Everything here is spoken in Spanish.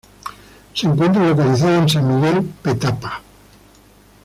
Se encuentra localizado en San Miguel Petapa.